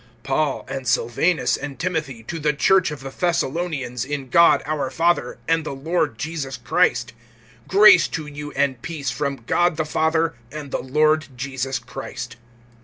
PAUL, and Silvanus, and Timothy, to the church of the Thessalonians, in God our Father, and the Lord Jesus Christ: (2)Grace to you, and peace, from God the Father and the Lord Jesus Christ.